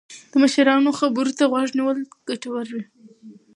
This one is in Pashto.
د مشرانو خبرو ته غوږ نیول ګټور وي.